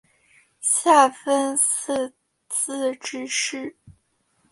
下分四自治市。